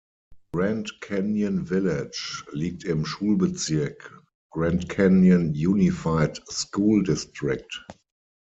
Grand Canyon Village liegt im Schulbezirk Grand Canyon Unified School District.